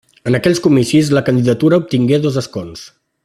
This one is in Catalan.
En aquells comicis, la candidatura obtingué dos escons.